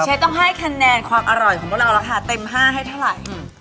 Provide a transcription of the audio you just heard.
ต้องให้คะแนนความอร่อยของพวกเราราคาเต็ม๕ให้เท่าไหร่